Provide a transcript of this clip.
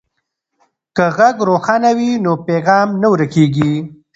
که غږ روښانه وي نو پیغام نه ورکیږي.